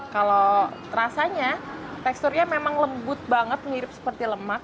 kalau rasanya teksturnya memang lembut banget mirip seperti lemak